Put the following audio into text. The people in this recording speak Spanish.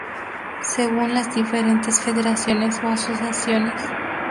Según las diferentes federaciones o asociaciones.